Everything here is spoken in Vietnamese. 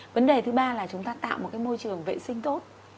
vấn đề thứ ba là chúng ta tạo một cái môi trường vệ sinh tốt